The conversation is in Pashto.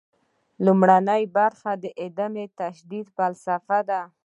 لومړۍ برخه د عدم تشدد فلسفه ده.